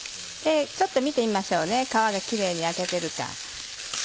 ちょっと見てみましょう皮がキレイに焼けてるか。